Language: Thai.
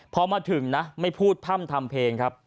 พอมาถึงนะไม่พูดพร่ำทำเพลงครับ